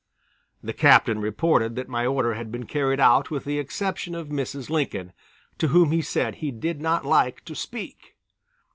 The Captain reported that my order had been carried out with the exception of Mrs. Lincoln, to whom he said he did not like to speak.